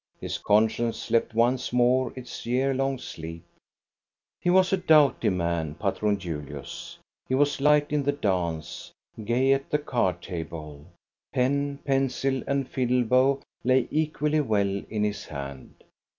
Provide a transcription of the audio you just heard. His conscience slept once more its year long sleep. He was a doughty man, Patron Julius. He was light in the dance, gay at the card table. Pen, pencil, and fiddle bow lay equally well in his hand.